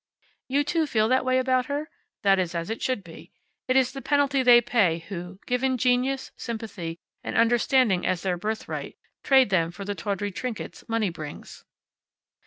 You, too, feel that way about her? That is as it should be. It is the penalty they pay who, given genius, sympathy, and understanding as their birthright, trade them for the tawdry trinkets money brings.